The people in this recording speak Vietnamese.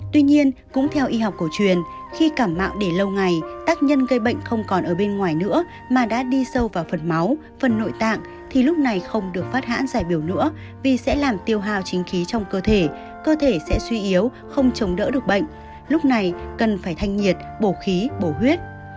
tuy nhiên cũng theo y học cổ truyền khi cả mạng để lâu ngày tác nhân gây bệnh không còn ở bên ngoài nữa mà đã đi sâu vào phần máu phần nội tạng thì lúc này không được phát hãn giải biểu nữa vì sẽ làm tiêu hào chính khí trong cơ thể cơ thể sẽ suy yếu không chống đỡ được bệnh lúc này cần phải thanh nhiệt bổ khí bổ huyết